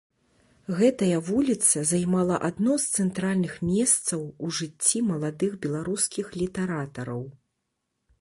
Гэтая вуліца займала адно з цэнтральных месцаў у жыцці маладых беларускіх літаратараў.